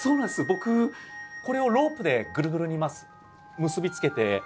僕これをロープでぐるぐるに結び付けて。